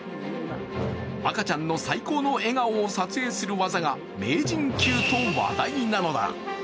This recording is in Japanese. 赤ちゃんの最高の笑顔を撮影する技が名人級と話題なのだ。